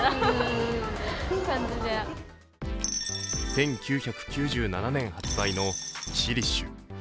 １９９７年発売のキシリッシュ。